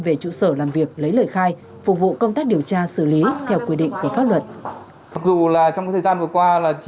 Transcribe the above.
về trụ sở làm việc lấy lời khai phục vụ công tác điều tra xử lý theo quy định của pháp luật